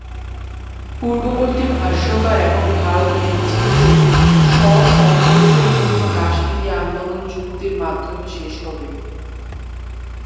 পূর্ববর্তী ভাষ্যকার এবং ভারত ভেবেছিল যে স্ব-সংকল্পের জন্য কাশ্মীরি আন্দোলন চুক্তির মাধ্যমে শেষ হবে।